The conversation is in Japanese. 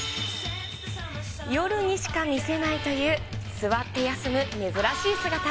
夜にしか見せないという、座って休む珍しい姿。